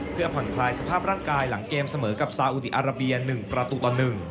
เพื่อผ่อนคลายสภาพร่างกายหลังเกมเสมอกับซาอุดีอาราเบีย๑ประตูต่อ๑